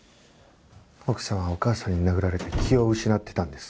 奥さんはお母さんに殴られて気を失ってたんです。